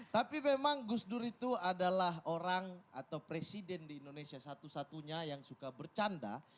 tapi memang gus dur itu adalah orang atau presiden di indonesia satu satunya yang suka bercanda